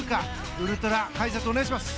ウルトラ解説をお願いします。